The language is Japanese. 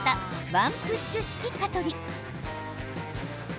ワンプッシュ式蚊取り。